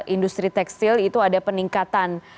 industri tekstil itu ada peningkatan